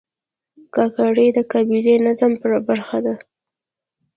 کاکړ د قبایلي نظام برخه ده.